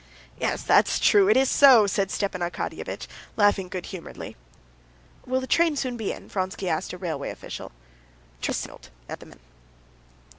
"Yes, that's true, it is so," said Stepan Arkadyevitch, laughing good humoredly. "Will the train soon be in?" Vronsky asked a railway official. "The train's signaled," answered the man.